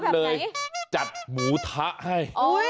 เลยจัดหมูทะให้